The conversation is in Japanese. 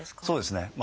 そうですね。